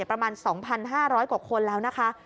ประมาณ๒๕๐๐กว่าคนแล้วนะคะ